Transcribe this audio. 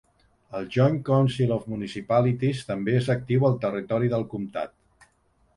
El "Joint Council of Municipalities" també és actiu al territori del comtat.